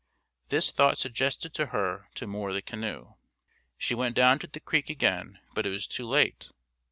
This thought suggested to her to moor the canoe. She went down to the creek again, but it was too late.